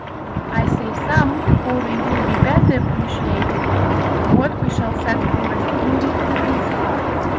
I say "some," for they will be better appreciated from what we shall set forth in the fifth part.